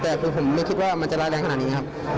แต่คือผมไม่คิดว่ามันจะร้ายแรงขนาดนี้ครับ